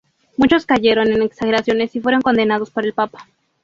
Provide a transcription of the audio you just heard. Muchos cayeron en exageraciones y fueron condenados por el Papa.